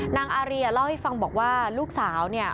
นางอารีเล่าให้ฟังบอกว่าลูกสาวเนี่ย